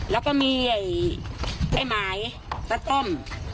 แล้วก็มีไอ้หมายปลาต้ม